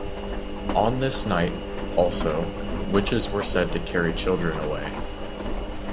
On this night, also, witches were said to carry children away.